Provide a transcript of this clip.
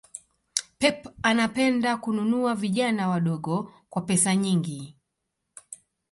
Pep anapenda kununua vijana wadogo kwa pesa nyingi